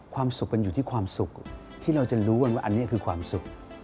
ความสุขมันอยู่ที่ความสุขที่เราจะรู้กันว่าอันนี้คือความสุข